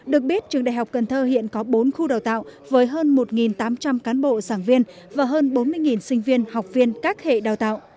được biết trường đại học cần thơ hiện có bốn khu đào tạo với hơn một tám trăm linh cán bộ sảng viên và hơn bốn mươi sinh viên học viên các hệ đào tạo